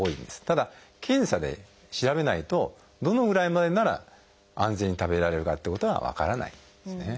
ただ検査で調べないとどのぐらいまでなら安全に食べられるかってことは分からないんですね。